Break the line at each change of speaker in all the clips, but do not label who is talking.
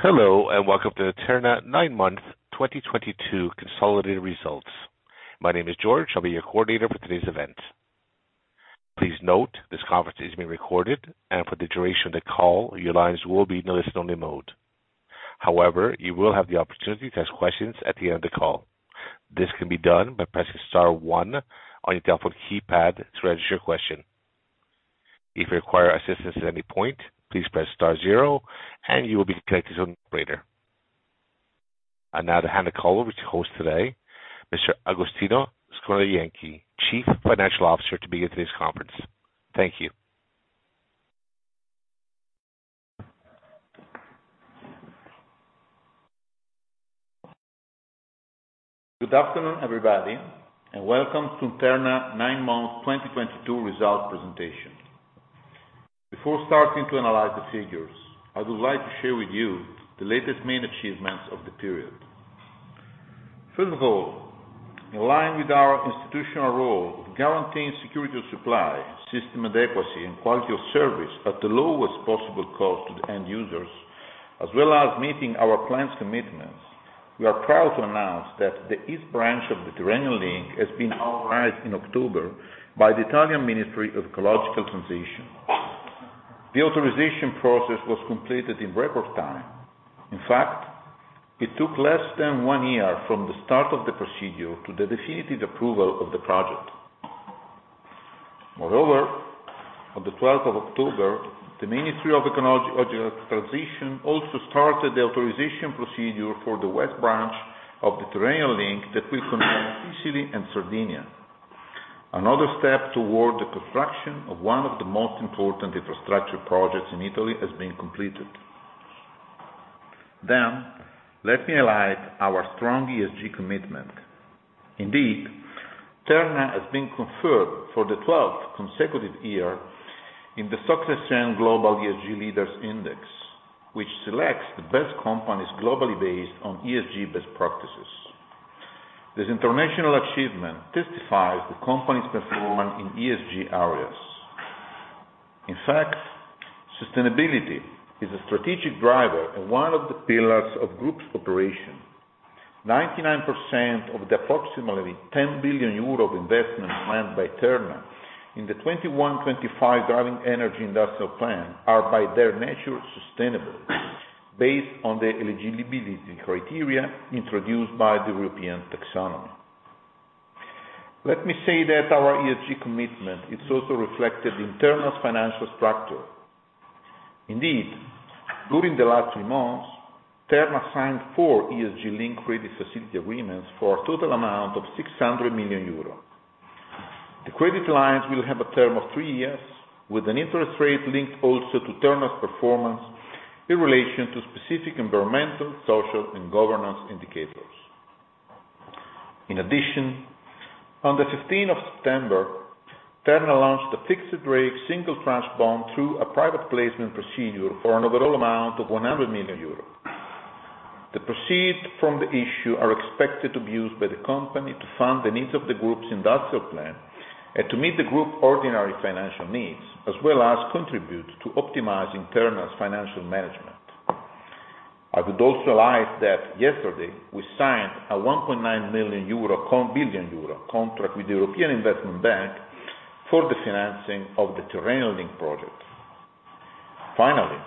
Hello and welcome to the Terna nine-month 2022 consolidated results. My name is George. I'll be your coordinator for today's event. Please note this conference is being recorded and for the duration of the call, your lines will be in listen-only mode. However, you will have the opportunity to ask questions at the end of the call. This can be done by pressing star one on your telephone keypad to register your question. If you require assistance at any point, please press star zero and you will be connected to an operator. I now hand the call over to host today, Mr. Agostino Scornajenchi, Chief Financial Officer, to begin today's conference. Thank you.
Good afternoon, everybody and welcome to Terna nine months 2022 results presentation. Before starting to analyze the figures, I would like to share with you the latest main achievements of the period. First of all, in line with our institutional role of guaranteeing security of supply, system adequacy and quality of service at the lowest possible cost to the end users, as well as meeting our clients commitments, we are proud to announce that the East Branch of the Tyrrhenian Link has been authorized in October by the Italian Ministry of Ecological Transition. The authorization process was completed in record time. In fact, it took less than one year from the start of the procedure to the definitive approval of the project. Moreover, on the twelfth of October, the Ministry of Ecological Transition also started the authorization procedure for the West Branch of the Tyrrhenian Link that will connect Sicily and Sardinia. Another step toward the construction of one of the most important infrastructure projects in Italy has been completed. Let me highlight our strong ESG commitment. Indeed, Terna has been conferred for the twelfth consecutive year in the STOXX Global ESG Leaders Index, which selects the best companies globally based on ESG best practices. This international achievement testifies the company's performance in ESG areas. In fact, sustainability is a strategic driver and one of the pillars of group's operation. 99% of the approximately 10 billion euro of investment planned by Terna in the 2021-2025 driving energy industrial plan are, by their nature, sustainable, based on the eligibility criteria introduced by the European Taxonomy. Let me say that our ESG commitment is also reflected in Terna's financial structure. Indeed, during the last three months, Terna signed four ESG linked credit facility agreements for a total amount of 600 million euro. The credit facility will have a term of three years with an interest rate linked also to Terna's performance in relation to specific environmental, social and governance indicators. In addition, on the fifteenth of September, Terna launched a fixed rate single tranche bond through a private placement procedure for an overall amount of 100 million euro. The proceeds from the issue are expected to be used by the company to fund the needs of the group's industrial plan and to meet the group's ordinary financial needs, as well as contribute to optimizing Terna's financial management. I would also like that yesterday we signed a 1.9 billion euro contract with the European Investment Bank for the financing of the Tyrrhenian Link project. Finally,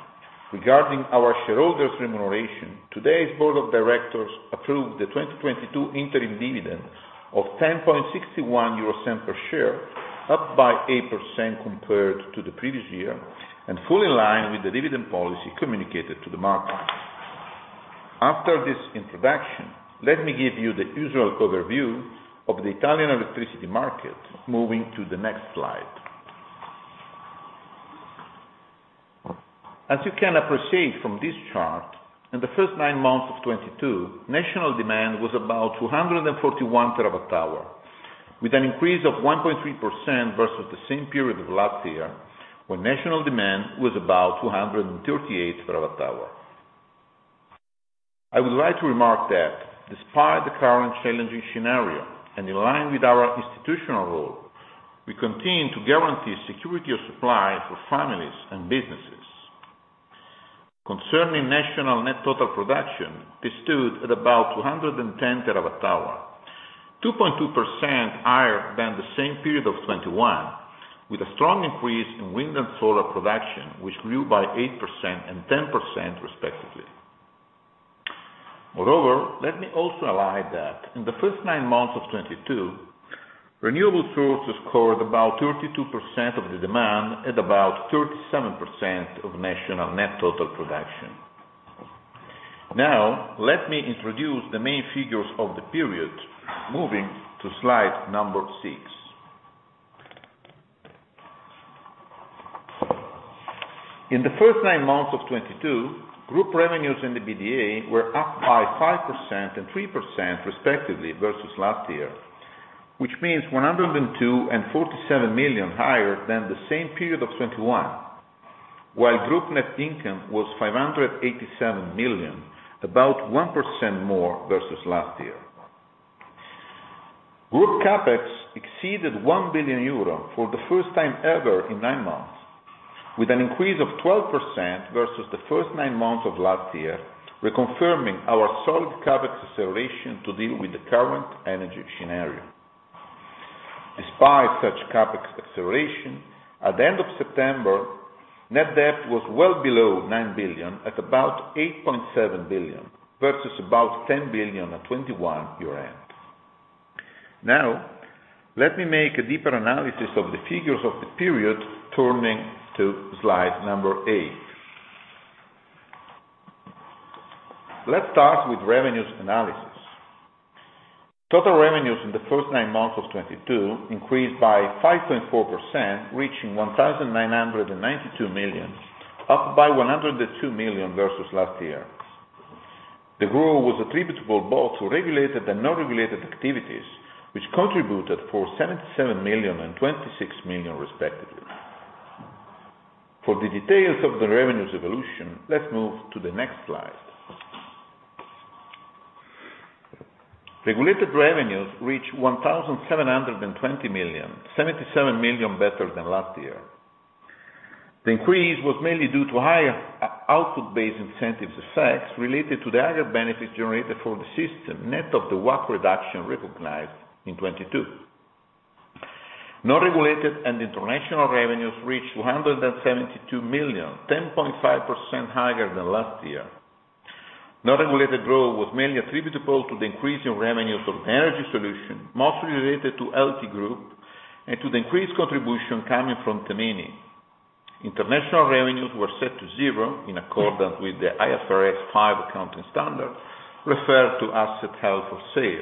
regarding our shareholders remuneration, today's board of directors approved the 2022 interim dividend of 0.1061 per share, up by 8% compared to the previous year and fully in line with the dividend policy communicated to the market. After this introduction, let me give you the usual overview of the Italian electricity market, moving to the next slide. As you can appreciate from this chart, in the first nine months of 2022, national demand was about 241 TWh, with an increase of 1.3% versus the same period of last year, when national demand was about 238 TWh. I would like to remark that despite the current challenging scenario and in line with our institutional role, we continue to guarantee security of supply for families and businesses. Concerning national net total production, this stood at about 210 terawatt-hours, 2.2% higher than the same period of 2021, with a strong increase in wind and solar production, which grew by 8% and 10% respectively. Moreover, let me also highlight that in the first nine months of 2022, renewable sources scored about 32% of the demand at about 37% of national net total production. Now, let me introduce the main figures of the period moving to slide number six. In the first nine months of 2022, group revenues and EBITDA were up by 5% and 3% respectively versus last year, which means 102 million and 47 million higher than the same period of 2021. While group net income was 587 million, about 1% more versus last year. Group CapEx exceeded 1 billion euro for the first time ever in nine months, with an increase of 12% versus the first nine months of last year, reconfirming our solid CapEx acceleration to deal with the current energy scenario. Despite such CapEx acceleration, at the end of September, net debt was well below 9 billion, at about 8.7 billion versus about 10 billion at 2021 year end. Now, let me make a deeper analysis of the figures of the period, turning to slide number eight. Let's start with revenues analysis. Total revenues in the first nine months of 2022 increased by 5.4%, reaching 1,992 million, up by 102 million versus last year. The growth was attributable both to regulated and non-regulated activities, which contributed for 77 million and 26 million respectively. For the details of the revenues evolution, let's move to the next slide. Regulated revenues reached 1,720 million, 77 million better than last year. The increase was mainly due to higher output-based incentive effects related to the higher benefits generated for the system, net of the WACC reduction recognized in 2022. Non-regulated and international revenues reached 272 million, 10.5% higher than last year. Non-regulated growth was mainly attributable to the increase in revenues of Terna Energy Solutions, mostly related to Terna Group and to the increased contribution coming from Tamini. International revenues were set to zero in accordance with the IFRS 5 accounting standard, referred to assets held for sale.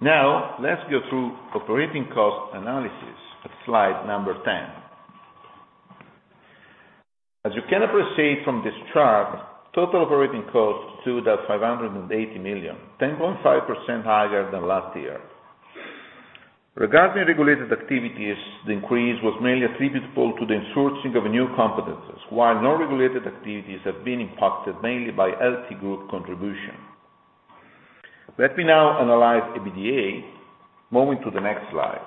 Now, let's go through operating cost analysis at slide 10. As you can appreciate from this chart, total operating costs stood at 580 million, 10.5% higher than last year. Regarding regulated activities, the increase was mainly attributable to the insourcing of new competencies, while non-regulated activities have been impacted mainly by Terna Group contribution. Let me now analyze EBITDA, moving to the next slide.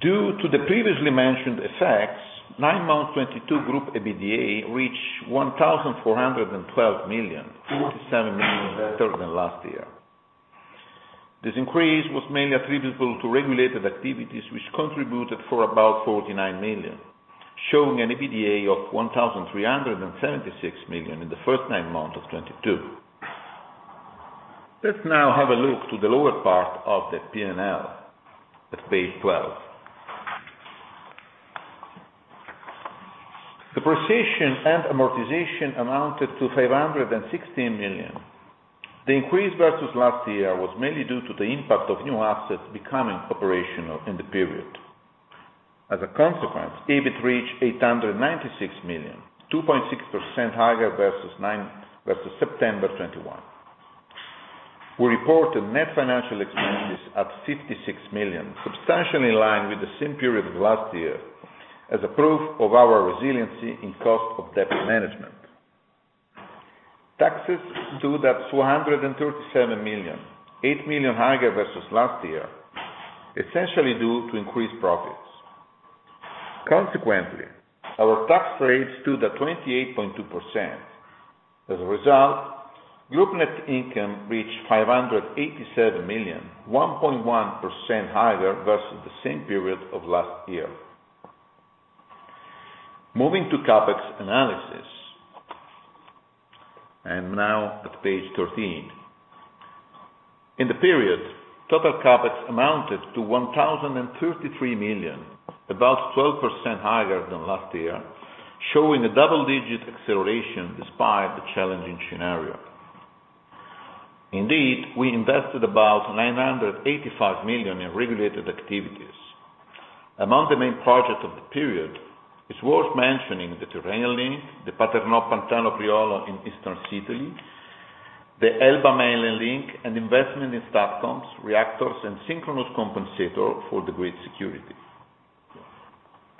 Due to the previously mentioned effects, nine-month 2022 group EBITDA reached 1,412 million, 27 million better than last year. This increase was mainly attributable to regulated activities, which contributed for about 49 million, showing an EBITDA of 1,376 million in the first nine months of 2022. Let's now have a look to the lower part of the P&L at page 12. Depreciation and amortization amounted to 516 million. The increase versus last year was mainly due to the impact of new assets becoming operational in the period. As a consequence, EBIT reached 896 million, 2.6% higher versus September 2021. We reported net financial expenses at 56 million, substantially in line with the same period of last year, as a proof of our resiliency in cost of debt management. Taxes stood at 237 million, 8 million higher versus last year, essentially due to increased profits. Consequently, our tax rate stood at 28.2%. As a result, group net income reached 587 million, 1.1% higher versus the same period of last year. Moving to CapEx analysis and now at page 13. In the period, total CapEx amounted to 1,033 million, about 12% higher than last year, showing a double-digit acceleration despite the challenging scenario. Indeed, we invested about 985 million in regulated activities. Among the main projects of the period, it's worth mentioning the Tyrrhenian Link, the Paternò-Pantano-Priolo in eastern Sicily, the Elba mainland link and investment in STATCOMs, reactors and synchronous compensator for the grid security.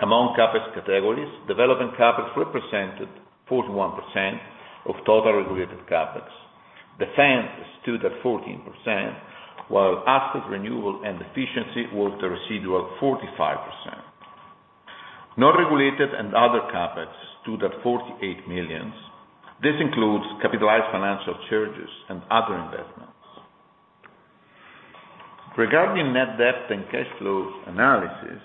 Among CapEx categories, development CapEx represented 41% of total regulated CapEx. Defense stood at 14%, while asset renewal and efficiency worth the residual 45%. Non-regulated and other CapEx stood at 48 million. This includes capitalized financial charges and other investments. Regarding net debt and cash flows analysis,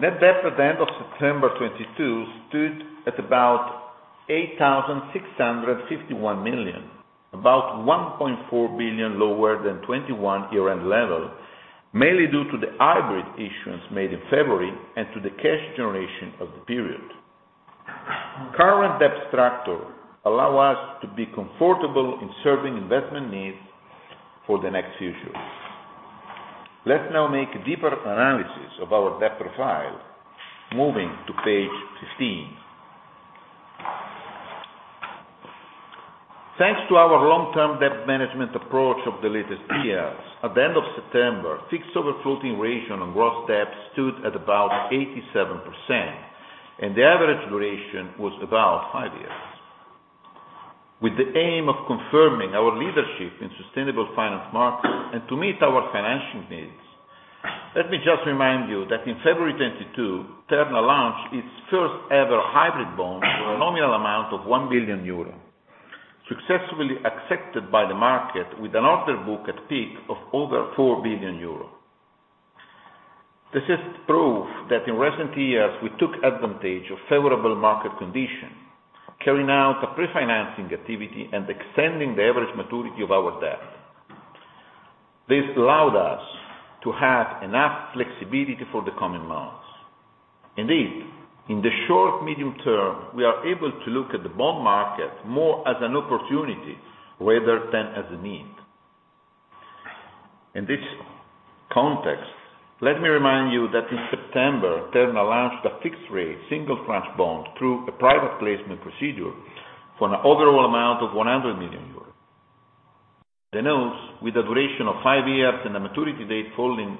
net debt at the end of September 2022 stood at about 8,651 million, about 1.4 billion lower than 2021 year-end level, mainly due to the hybrid issuance made in February and to the cash generation of the period. Current debt structure allow us to be comfortable in serving investment needs for the next future. Let's now make a deeper analysis of our debt profile, moving to page 15. Thanks to our long-term debt management approach of the latest years, at the end of September, fixed over floating ratio on gross debt stood at about 87%. The average duration was about 5 years. With the aim of confirming our leadership in sustainable finance market and to meet our financial needs, let me just remind you that in February 2022, Terna launched its first ever hybrid bond for a nominal amount of 1 billion euro, successfully accepted by the market with an order book at peak of over 4 billion euro. This is proof that in recent years, we took advantage of favorable market conditions, carrying out a pre-financing activity and extending the average maturity of our debt. This allowed us to have enough flexibility for the coming months. Indeed, in the short, medium term, we are able to look at the bond market more as an opportunity rather than as a need. In this context, let me remind you that in September, Terna launched a fixed rate single tranche bond through a private placement procedure for an overall amount of 100 million euros. The notes, with a duration of five years and a maturity date falling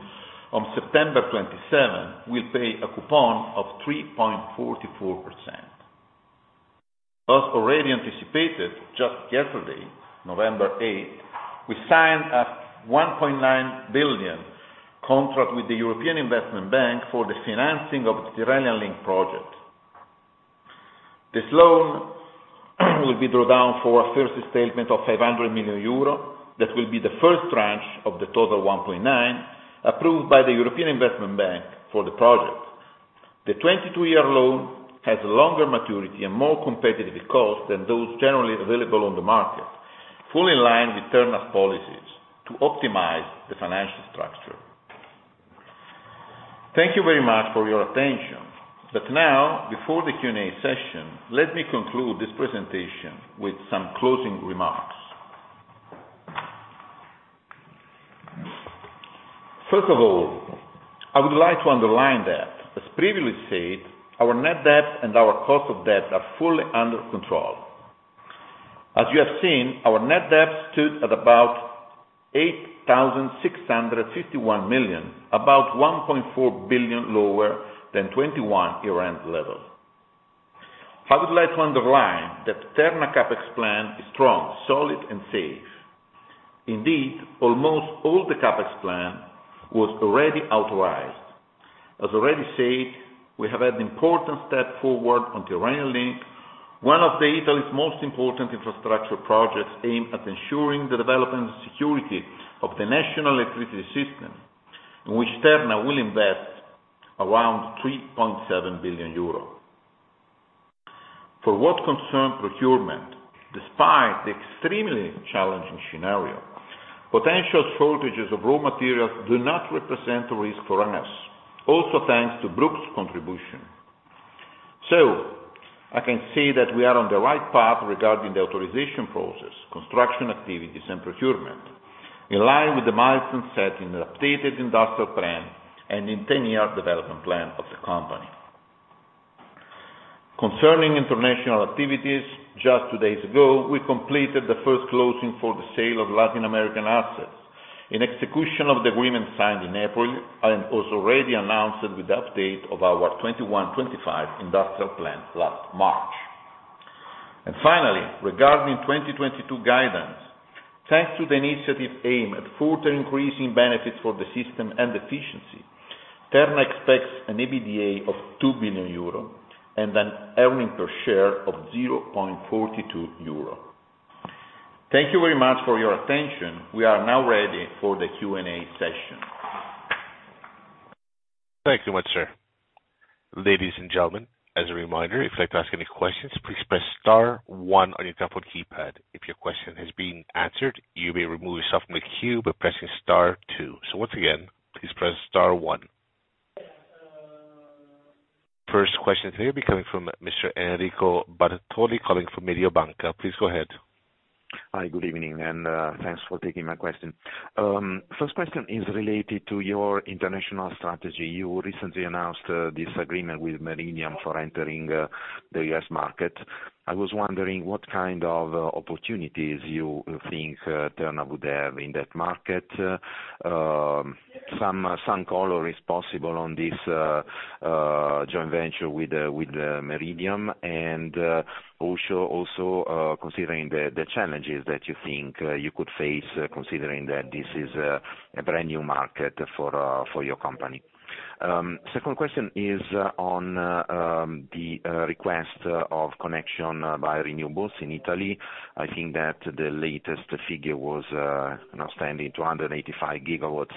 on 27 September will pay a coupon of 3.44%. As already anticipated just yesterday 8 November, we signed a 1.9 billion contract with the European Investment Bank for the financing of Tyrrhenian Link project. This loan will be drawn down for a first statement of 500 million euro. That will be the first tranche of the total one point nine, approved by the European Investment Bank for the project. The 22-year loan has longer maturity and more competitive cost than those generally available on the market, fully in line with Terna's policies to optimize the financial structure. Thank you very much for your attention. Now, before the Q&A session, let me conclude this presentation with some closing remarks. First of all, I would like to underline that, as previously said, our net debt and our cost of debt are fully under control. As you have seen, our net debt stood at about 8,651 million, about 1.4 billion lower than 2021 year-end level. I would like to underline that Terna CapEx plan is strong, solid and safe. Indeed, almost all the CapEx plan was already authorized. As already said, we have had an important step forward on Tyrrhenian Link, one of Italy's most important infrastructure projects aimed at ensuring the development and security of the national electricity system, in which Terna will invest around 3.7 billion euro. For what concerns procurement, despite the extremely challenging scenario, potential shortages of raw materials do not represent a risk for us, also thanks to group's contribution. I can say that we are on the right path regarding the authorization process, construction activities and procurement, in line with the milestone set in the updated industrial plan and in ten-year development plan of the company. Concerning international activities, just two days ago, we completed the first closing for the sale of Latin American assets. In execution of the agreement signed in April and was already announced with the update of our 2021-2025 industrial plan last March. Finally, regarding 2022 guidance. Thanks to the initiative aimed at further increasing benefits for the system and efficiency, Terna expects an EBITDA of 2 billion euro and an earnings per share of 0.42 euro. Thank you very much for your attention. We are now ready for the Q&A session.
Thank you much, sir. Ladies and gentlemen, as a reminder, if you'd like to ask any questions, please press star one on your telephone keypad. If your question has been answered, you may remove yourself from the queue by pressing star two. Once again, please press star one. First question today will be coming from Mr. Enrico Bartoli calling from Mediobanca. Please go ahead.
Hi, good evening and thanks for taking my question. First question is related to your international strategy. You recently announced this agreement with Meridiam for entering the U.S. market. I was wondering what kind of opportunities you think Terna would have in that market. Some color is possible on this joint venture with Meridiam and also considering the challenges that you think you could face, considering that this is a brand new market for your company. Second question is on the request of connection by renewables in Italy. I think that the latest figure was an outstanding 285 gigawatts.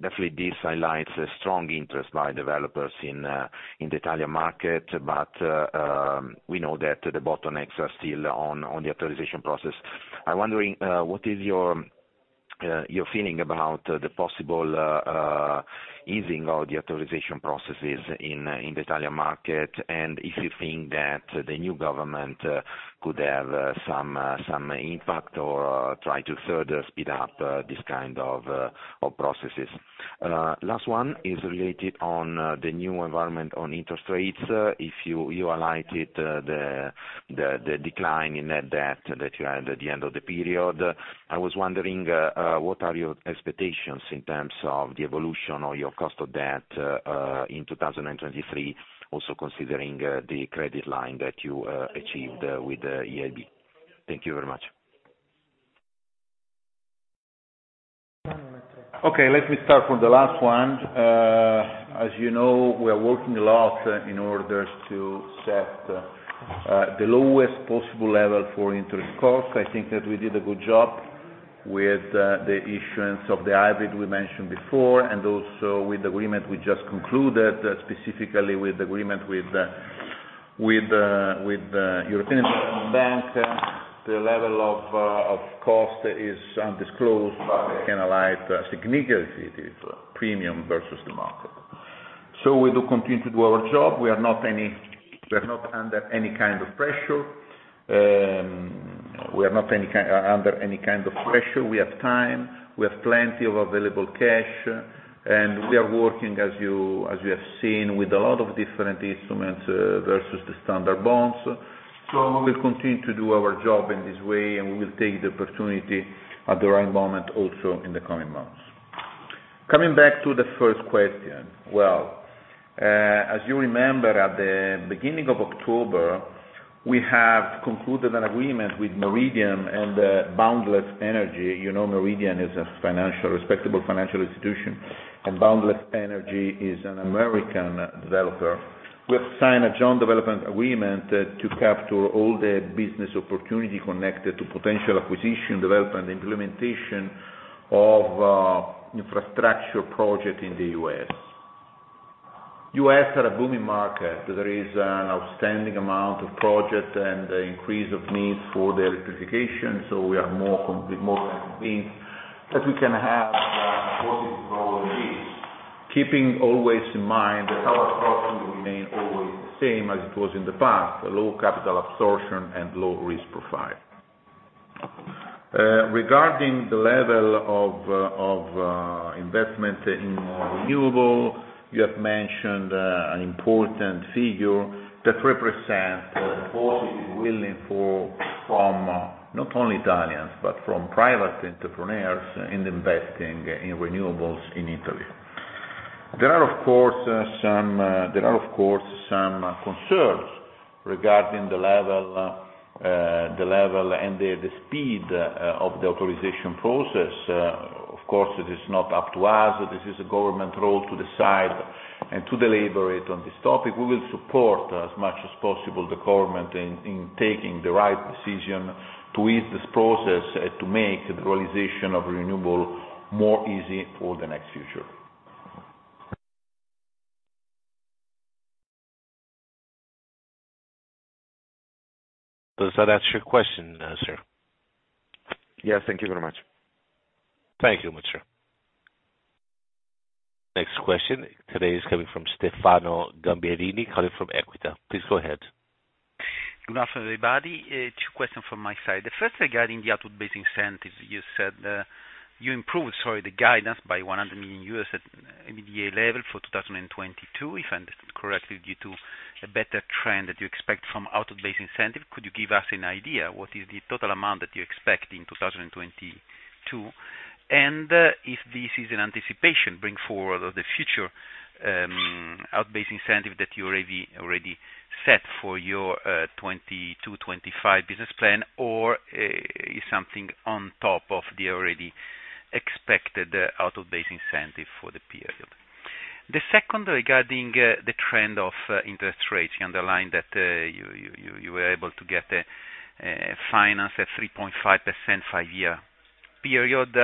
Definitely this highlights a strong interest by developers in the Italian market but we know that the bottlenecks are still on the authorization process. I'm wondering what is your feeling about the possible easing of the authorization processes in the Italian market and if you think that the new government could have some impact or try to further speed up this kind of processes. Last one is related on the new environment on interest rates. If you highlighted the decline in net debt that you had at the end of the period. I was wondering what your expectations are in terms of the evolution of your cost of debt in 2023, also considering the credit line that you achieved with EIB? Thank you very much.
Okay, let me start from the last one. As you know, we are working a lot in order to set the lowest possible level for interest cost. I think that we did a good job with the issuance of the hybrid we mentioned before and also with the agreement we just concluded, specifically with agreement with European Investment Bank. The level of cost is undisclosed but I can highlight significantly it is premium versus the market. We do continue to do our job. We are not under any kind of pressure. We have time, we have plenty of available cash and we are working, as you have seen, with a lot of different instruments versus the standard bonds. We will continue to do our job in this way and we will take the opportunity at the right moment also in the coming months. Coming back to the first question. Well, as you remember, at the beginning of October, we have concluded an agreement with Meridiam and Boundless Energy. You know, Meridiam is a financially respectable financial institution and Boundless Energy is an American developer. We have signed a joint development agreement to capture all the business opportunity connected to potential acquisition, development and implementation of infrastructure project in the U.S. The U.S. is a booming market. There is an outstanding amount of project and increase of needs for the electrification, so we are more than convinced that we can have a positive role in this, keeping always in mind that our approach will remain always the same as it was in the past. Low capital absorption and low risk profile. Regarding the level of investment in renewable, you have mentioned an important figure that represents the positive willingness from not only Italians but from private entrepreneurs in investing in renewables in Italy. There are, of course, some concerns regarding the level and the speed of the authorization process. Of course, it is not up to us. This is a government role to decide and to deliberate on this topic. We will support, as much as possible, the government in taking the right decision to ease this process, to make the realization of renewable more easy for the next future.
Does that answer your question, sir?
Yes, thank you very much.
Thank you so much. Next question today is coming from Stefano Gamberini calling from Equita. Please go ahead.
Good afternoon, everybody. Two questions from my side. The first regarding the output-based incentive. You said you improved, sorry, the guidance by $100 million at EBITDA level for 2022, if I understood correctly, due to a better trend that you expect from output-based incentive. Could you give us an idea what is the total amount that you expect in 2022? And if this is an anticipation bring forward of the future output-based incentive that you already set for your 2022-2025 business plan or is something on top of the already expected output-based incentive for the period. The second regarding the trend of interest rates. You underlined that you were able to get a finance at 3.5% five-year period.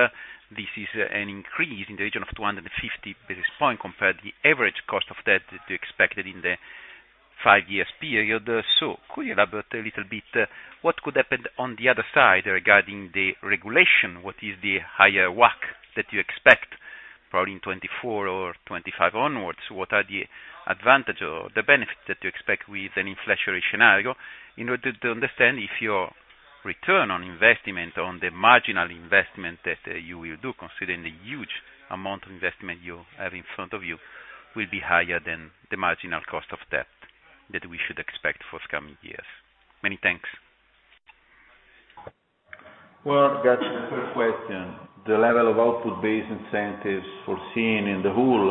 This is an increase in the region of 250 basis points compared to the average cost of debt that you expected in the five-years period. Could you elaborate a little bit what could happen on the other side regarding the regulation? What is the higher WACC that you expect probably in 2024 or 2025 onwards? What are the advantage or the benefit that you expect with an inflationary scenario in order to understand if your return on investment, on the marginal investment that you will do, considering the huge amount of investment you have in front of you, will be higher than the marginal cost of debt that we should expect for coming years. Many thanks.
Well, regarding the first question, the level of output-based incentives foreseen in the whole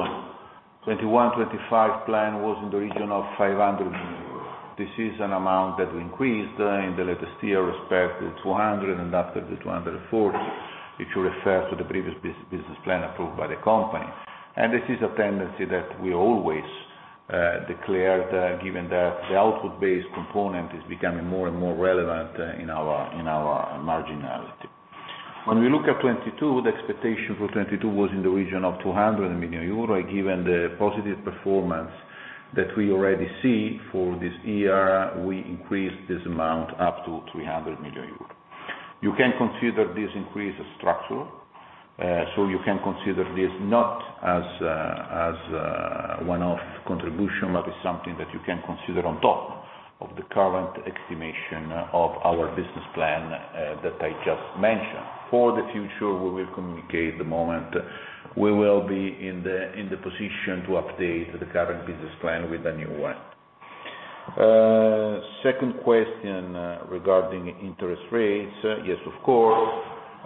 2021-2025 plan was in the region of 500 million. This is an amount that we increased in the latest year compared to 200 and after the 240, if you refer to the previous business plan approved by the company. This is a tendency that we always declared, given that the output-based component is becoming more and more relevant in our marginality. When we look at 2022, the expectation for 2022 was in the region of 200 million euro and given the positive performance that we already see for this year, we increased this amount up to 300 million euros. You can consider this increase structural, so you can consider this not as one-off contribution but it's something that you can consider on top of the current estimation of our business plan, that I just mentioned. For the future, we will communicate the moment we will be in the position to update the current business plan with a new one. Second question, regarding interest rates. Yes, of course.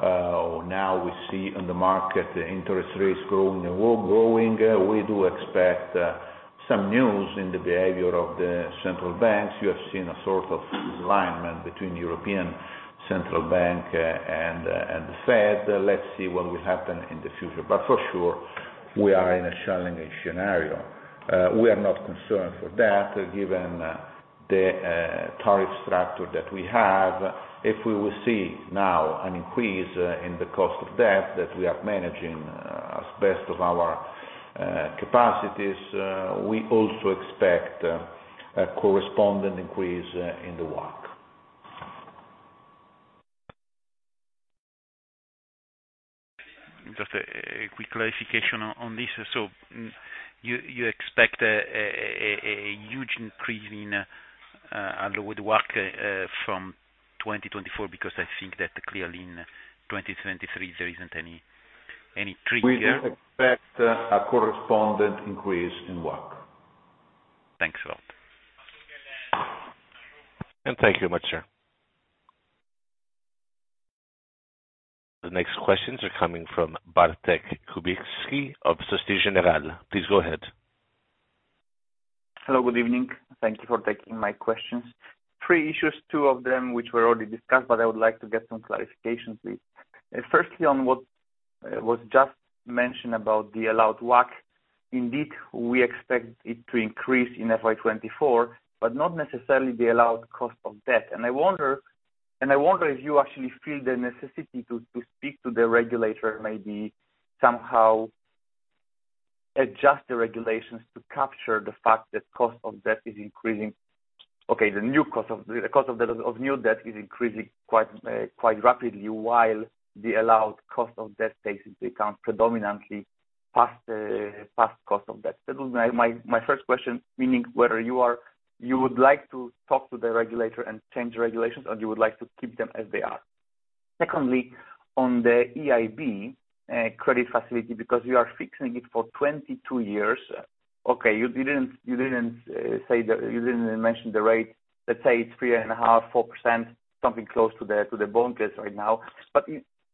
Now we see on the market interest rates growing, we're growing. We do expect some news in the behavior of the central banks. You have seen a sort of alignment between European Central Bank and the Fed. Let's see what will happen in the future. For sure, we are in a challenging scenario. We are not concerned for that given the tariff structure that we have. If we will see now an increase in the cost of debt that we are managing as best of our capacities, we also expect a corresponding increase in the WACC.
Just a quick clarification on this. You expect a huge increase in allowed WACC from 2024? Because I think that clearly in 2023 there isn't any trigger.
We do expect a corresponding increase in WACC.
Thanks a lot.
Thank you much sir. The next questions are coming from Bartłomiej Kubicki of Société Générale. Please go ahead.
Hello, good evening. Thank you for taking my questions. Three issues, two of them which were already discussed but I would like to get some clarification, please. Firstly, on what was just mentioned about the allowed WACC. Indeed, we expect it to increase in FY 2024 but not necessarily the allowed cost of debt. I wonder if you actually feel the necessity to speak to the regulator, maybe somehow adjust the regulations to capture the fact that cost of debt is increasing. The cost of new debt is increasing quite rapidly, while the allowed cost of debt takes into account predominantly past cost of debt. That was my first question, meaning whether you would like to talk to the regulator and change the regulations or you would like to keep them as they are. Secondly, on the EIB credit facility, because you are fixing it for 22 years. Okay, you didn't mention the rate. Let's say it's 3.5, 4%, something close to the bond case right now. But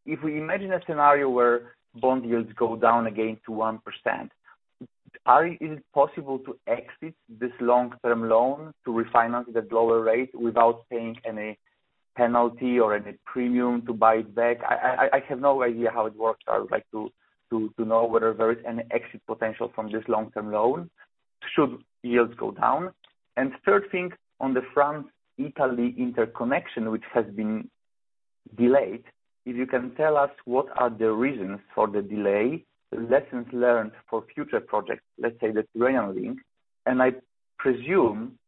if we imagine a scenario where bond yields go down again to 1%, is it possible to exit this long-term loan to refinance at lower rate without paying any penalty or any premium to buy it back? I have no idea how it works. I would like to know whether there is any exit potential from this long-term loan should yields go down. Third thing, on the France-Italy interconnection, which has been delayed, if you can tell us what are the reasons for the delay, lessons learned for future projects, let's say the Tyrrhenian Link and I presume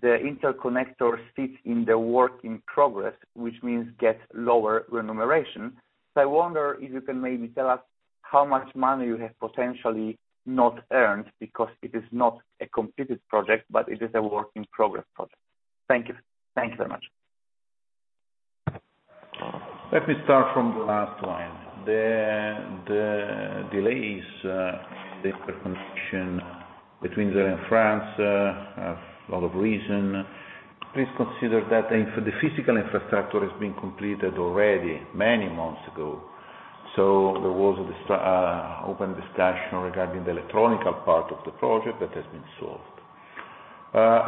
the interconnector sits in the work in progress, which means gets lower remuneration. I wonder if you can maybe tell us how much money you have potentially not earned because it is not a completed project but it is a work in progress project. Thank you. Thank you very much.
Let me start from the last one. The delays, the interconnection between Italy and France, have a lot of reasons. Please consider that the physical infrastructure has been completed already many months ago. There was an open discussion regarding the electrical part of the project that has been solved.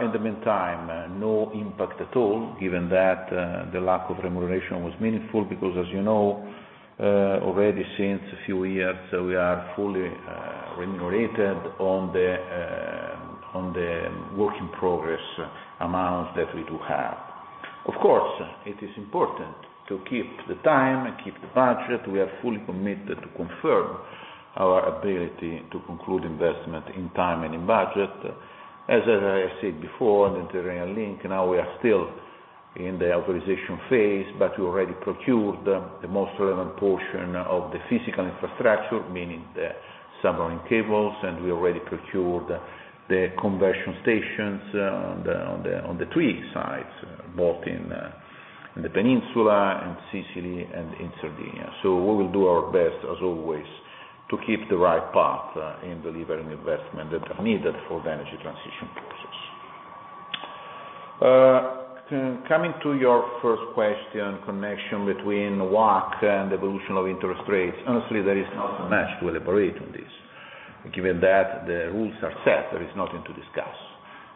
In the meantime, no impact at all, given that the lack of remuneration wasn't meaningful, because as you know, already since a few years, we are fully remunerated on the work in progress amounts that we do have. Of course, it is important to keep on time and keep the budget. We are fully committed to confirm our ability to conclude investment on time and on budget. As I said before, the Tyrrhenian Link, now we are still in the authorization phase but we already procured the most relevant portion of the physical infrastructure, meaning the submarine cables and we already procured the conversion stations on the three sites, both in the peninsula, in Sicily and in Sardinia. We will do our best, as always, to keep the right path in delivering investments that are needed for the energy transition process. Coming to your first question, connection between WACC and evolution of interest rates. Honestly, there is not so much to elaborate on this. Given that the rules are set, there is nothing to discuss.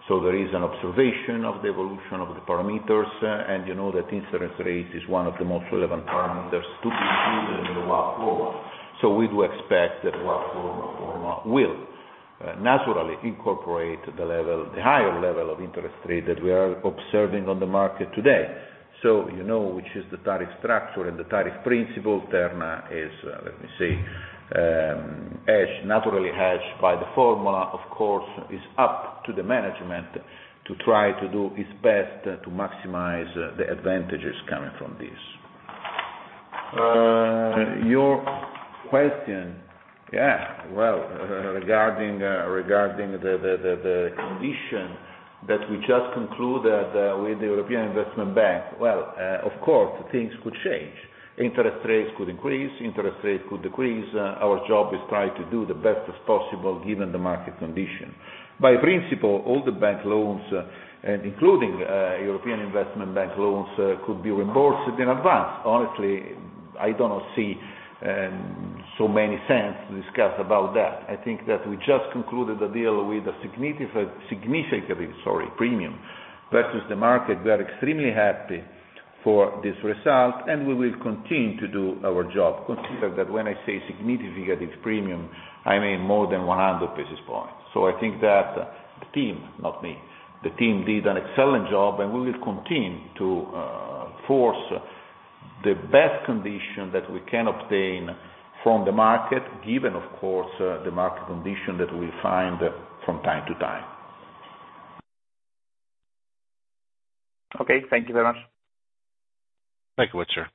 There is an observation of the evolution of the parameters and you know that interest rate is one of the most relevant parameters to be included in the WACC flow. We do expect that WACC flow formula will naturally incorporate the higher level of interest rate that we are observing on the market today. You know, which is the tariff structure and the tariff principle, Terna is let me say hedged, naturally hedged by the formula. Of course, it's up to the management to try to do its best to maximize the advantages coming from this. Your question regarding the condition that we just concluded with the European Investment Bank. Of course, things could change. Interest rates could increase, interest rates could decrease. Our job is try to do the best as possible given the market condition. In principle, all the bank loans including European Investment Bank loans could be reimbursed in advance. Honestly, I do not see so much sense to discuss about that. I think that we just concluded the deal with a significant premium versus the market. We are extremely happy for this result and we will continue to do our job. Consider that when I say significant premium, I mean more than 100 basis points. I think that the team, not me, the team did an excellent job and we will continue to force the best condition that we can obtain from the market, given, of course, the market condition that we find from time to time.
Okay, thank you very much.
Thank you, sir.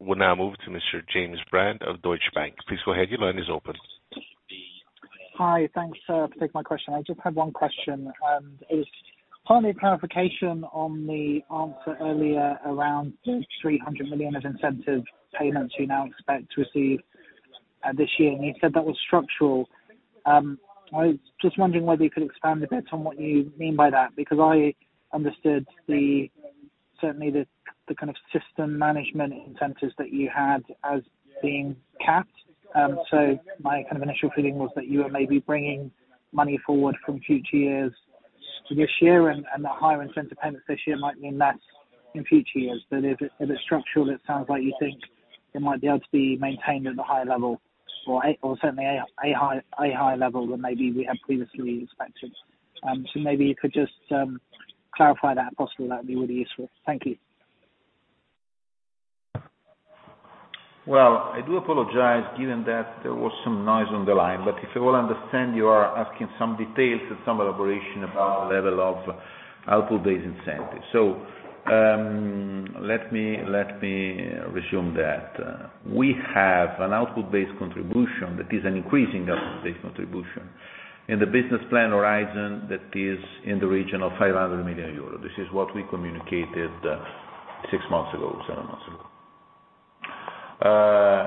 We'll now move to Mr. James Brand of Deutsche Bank. Please go ahead. Your line is open.
Hi. Thanks for taking my question. I just have one question and it is probably a clarification on the answer earlier around 300 million of incentive payments you now expect to receive this year and you said that was structural. I was just wondering whether you could expand a bit on what you mean by that because I understood certainly the kind of system management incentives that you had as being capped. So my kind of initial feeling was that you were maybe bringing money forward from future years to this year and the higher incentive payments this year might mean less in future years. If it's structural, it sounds like you think it might be able to be maintained at the higher level or certainly a high level than maybe we had previously expected. Maybe you could just clarify that possibly that would be really useful. Thank you.
Well, I do apologize given that there was some noise on the line but if you all understand, you are asking some details and some elaboration about the level of output-based incentive. Let me resume that. We have an output-based contribution that is an increasing output-based contribution. In the business plan horizon, that is in the region of 500 million euros. This is what we communicated six months ago, seven months ago. There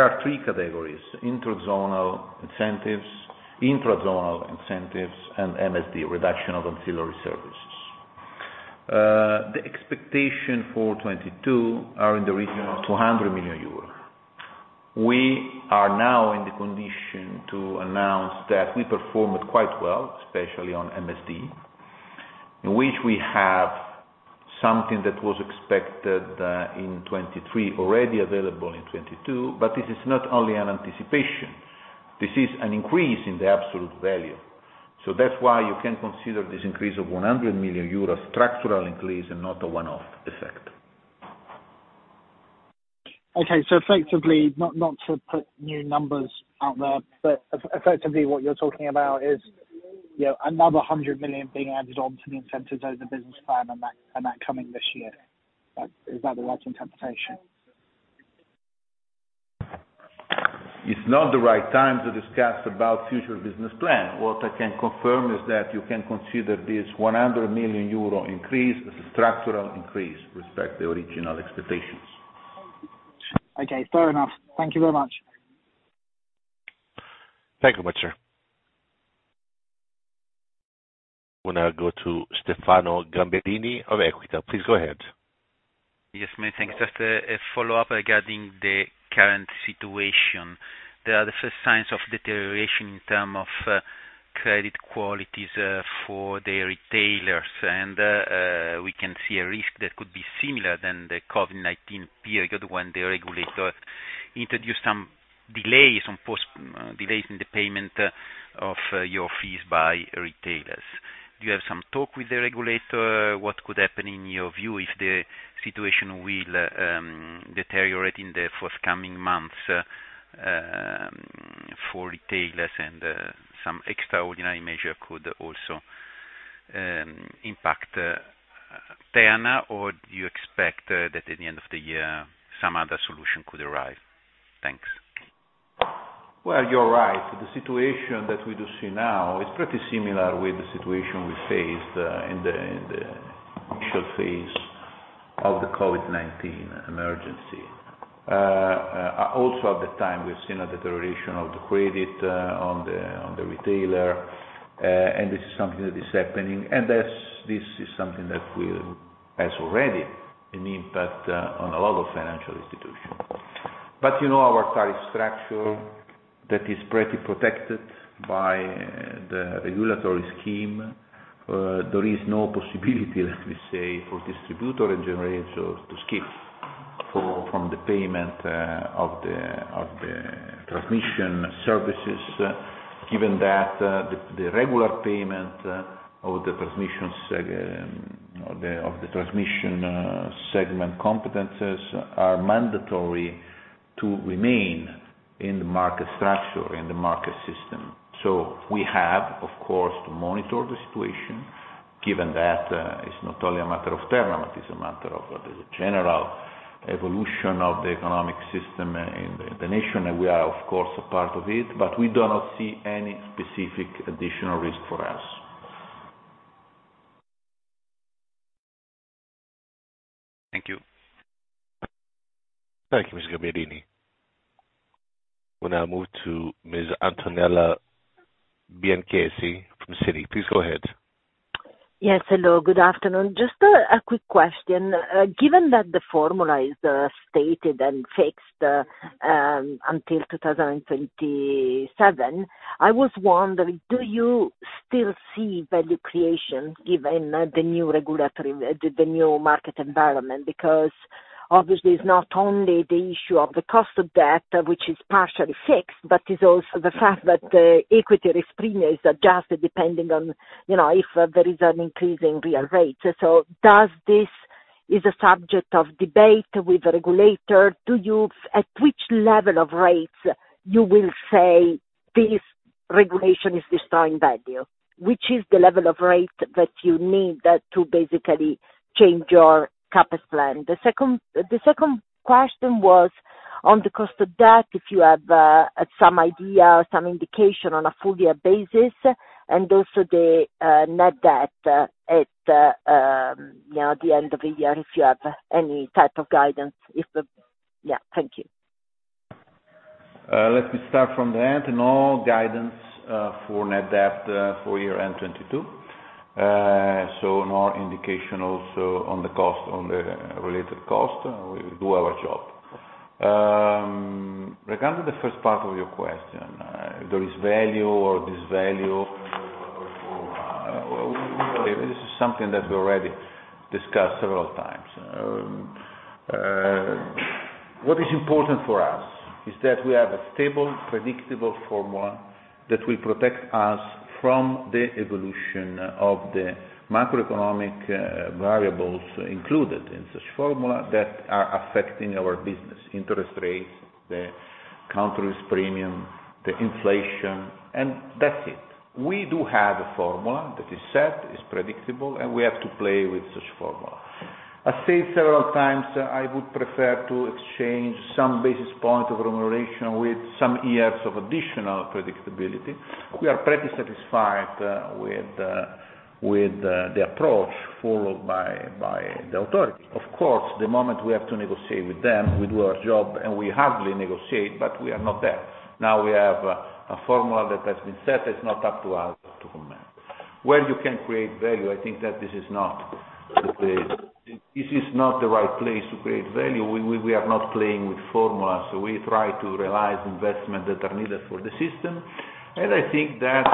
are three categories: interzonal incentives, intrazonal incentives and MSD, reduction of ancillary services. The expectation for 2022 are in the region of 200 million euros. We are now in the condition to announce that we performed quite well, especially on MSD, in which we have something that was expected in 2023 already available in 2022 but this is not only an anticipation. This is an increase in the absolute value. That's why you can consider this increase of 100 million euros a structural increase and not a one-off effect.
Okay. Effectively, not to put new numbers out there but effectively what you're talking about is, you know, another 100 million being added on to the incentives over the business plan and that coming this year. Is that the right interpretation?
It's not the right time to discuss about future business plan. What I can confirm is that you can consider this 100 million euro increase as a structural increase, with respect to the original expectations.
Okay, fair enough. Thank you very much.
Thank you much, sir. We'll now go to Stefano Gamberini of Equita. Please go ahead.
Yes, many thanks. Just a follow-up regarding the current situation. There are the first signs of deterioration in terms of credit quality for the retailers and we can see a risk that could be similar to the COVID-19 period, when the regulators introduced some delays, some postponed delays in the payment of your fees by retailers. Do you have some talks with the regulator what could happen in your view if the situation will deteriorate in the forthcoming months for retailers and some extraordinary measure could also impact Terna or do you expect that at the end of the year, some other solution could arrive? Thanks.
Well, you're right. The situation that we do see now is pretty similar with the situation we faced in the initial phase of the COVID-19 emergency. Also at the time, we've seen a deterioration of the credit on the retailer and this is something that is happening. That's something that has already an impact on a lot of financial institutions. You know, our tariff structure that is pretty protected by the regulatory scheme, there is no possibility, let me say, for distributor and generators to skip from the payment of the transmission services, given that the regular payment of the transmission service competences are mandatory to remain in the market structure, in the market system. We have, of course, to monitor the situation, given that, it's not only a matter of Terna but it's a matter of the general evolution of the economic system in the nation and we are of course a part of it but we do not see any specific additional risk for us.
Thank you.
Thank you, Mr. Gamberini. We'll now move to Ms. Antonella Bianchessi from Citi. Please go ahead.
Yes, hello, good afternoon. Just a quick question. Given that the formula is stated and fixed until 2027, I was wondering, do you still see value creation given the new regulatory, the new market environment? Because obviously it's not only the issue of the cost of debt which is partially fixed but it's also the fact that equity risk premium is adjusted depending on if there is an increase in real rates. Does this is a subject of debate with the regulator? At which level of rates you will say this regulation is destroying value? Which is the level of rate that you need that to basically change your CapEx plan? The second question was on the cost of debt, if you have some idea, some indication on a full year basis and also the net debt at, you know, at the end of the year, if you have any type of guidance. Yeah. Thank you.
Let me start from the end. No guidance for net debt for year end 2022. No indication also on the cost, on the related cost. We will do our job. Regarding the first part of your question, there is value or this value, this is something that we already discussed several times. What is important for us is that we have a stable, predictable formula that will protect us from the evolution of the macroeconomic variables included in such formula that are affecting our business, interest rates, the country's premium, the inflation and that's it. We do have a formula that is set, is predictable and we have to play with such formula. I've said several times I would prefer to exchange some basis point of remuneration with some years of additional predictability. We are pretty satisfied with the approach followed by the authority. Of course, the moment we have to negotiate with them, we do our job and we hardly negotiate but we are not there. Now we have a formula that has been set, it's not up to us to comment. Where you can create value, I think that this is not the right place to create value. We are not playing with formulas. We try to realize investment that are needed for the system. I think that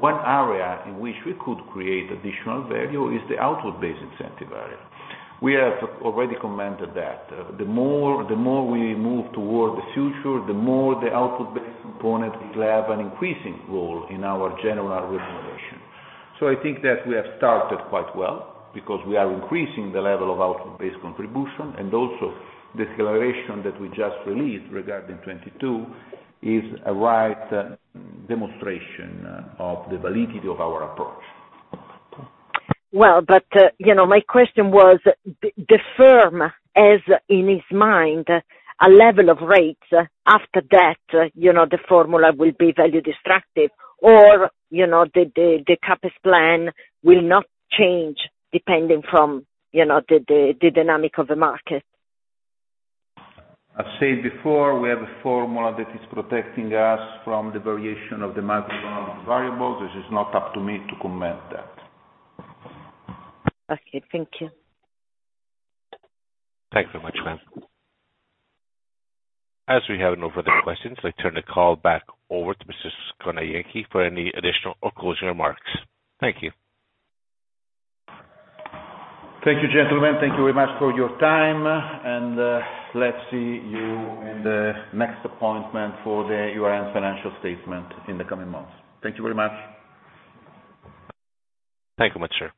one area in which we could create additional value is the output-based incentive area. We have already commented that the more we move toward the future, the more the output-based component will have an increasing role in our general remuneration. I think that we have started quite well because we are increasing the level of output-based contribution and also the acceleration that we just released regarding 2022 is a right demonstration of the validity of our approach.
Well, you know, my question was the firm has in his mind a level of rates. After that, you know, the formula will be value destructive or, you know, the CapEx plan will not change depending on the dynamic of the market.
I've said before, we have a formula that is protecting us from the variation of the macroeconomic variable. This is not up to me to comment that.
Okay. Thank you.
Thanks so much, ma'am. As we have no further questions, I turn the call back over to Mr. Scornajenchi for any additional or closing remarks. Thank you.
Thank you, gentlemen. Thank you very much for your time and let's see you in the next appointment for the full-year financial statement in the coming months. Thank you very much.
Thank you much, sir.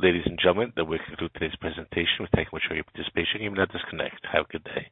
Ladies and gentlemen, that will conclude today's presentation. We thank you much for your participation. You may now disconnect. Have a good day.